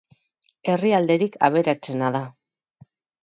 Herrialderik aberatsena da.